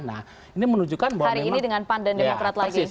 hari ini dengan pan dan demokrat lagi